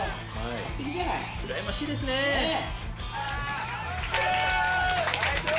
完璧じゃない羨ましいですねねえ